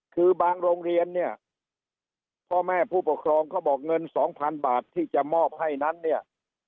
คือบางโรงเรียนเนี่ยพ่อแม่ผู้ปกครองเขาบอกเงินสองพันบาทที่จะมอบให้นั้นเนี่ย